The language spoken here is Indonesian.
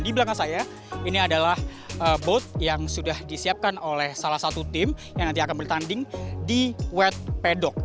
di belakang saya ini adalah boat yang sudah disiapkan oleh salah satu tim yang nanti akan bertanding di web pedok